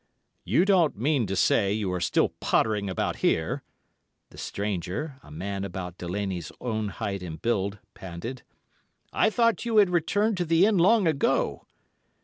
"'You don't mean to say you are still pottering about here,' the stranger, a man about Delaney's own height and build, panted. 'I thought you had returned to the inn long ago.